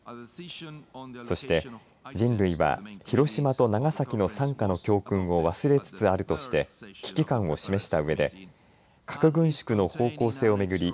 そして、人類は広島と長崎の惨禍の教訓を忘れつつあるとして危機感を示したうえで核軍縮の方向性を巡り